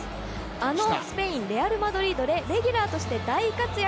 あのスペインレアル・マドリードでレギュラーとして大活躍。